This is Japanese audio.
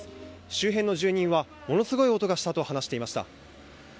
周辺の住人はものすごい音がしたと話していました。